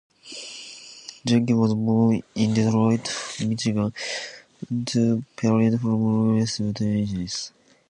Jenkins was born in Detroit, Michigan to parents from Rogersville, Tennessee.